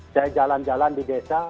saya jalan jalan di desa